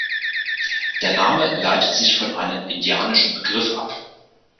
Der Name leitet sich von einem indianischen Begriff ab.